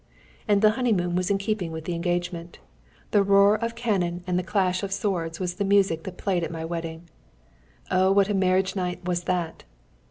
And the honeymoon was in keeping with the engagement. The roar of cannon and the clash of swords was the music that played at my wedding. Oh what a marriage night was that!